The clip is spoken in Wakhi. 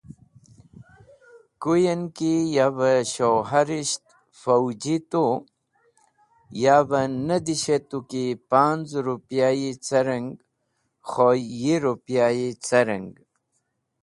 Kuyen ki yav-e shoharisht foji tu, yav-e ne dishetu ki panz̃ ripyayi cereng khoy yi ripyayi cereng?